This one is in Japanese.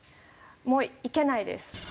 もう行けないです。